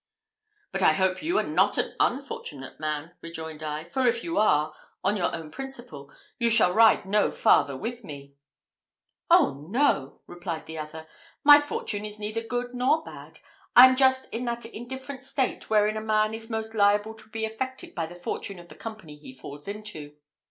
"But I hope you are not an unfortunate man," rejoined I, "for if you are, on your own principle, you shall ride no farther with me." "Oh no," replied the other, "my fortune is neither good nor bad; I am just in that indifferent state, wherein a man is most liable to be affected by the fortune of the company he falls into."